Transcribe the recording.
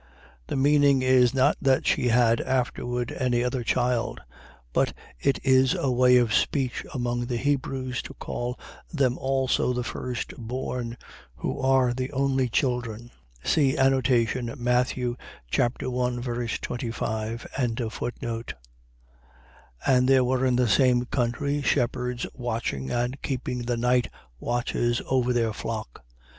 . .The meaning is, not that she had afterward any other child; but it is a way of speech among the Hebrews, to call them also the firstborn, who are the only children. See annotation Matt. 1. 25. 2:8. And there were in the same country shepherds watching and keeping the night watches over their flock.